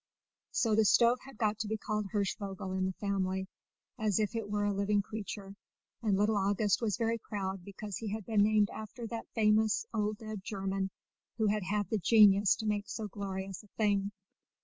So the stove had got to be called Hirschvogel in the family, as if it were a living creature, and little August was very proud because he had been named after that famous old dead German who had had the genius to make so glorious a thing.